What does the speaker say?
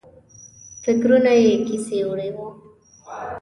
فکرونه یې کیسې وړي وو.